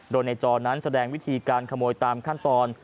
โดยในจอนั้นแสดงวิธีการขโมยตามขั้นตอน